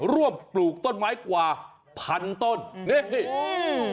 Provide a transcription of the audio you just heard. ปลูกต้นไม้กว่าพันต้นนี่นี่อืม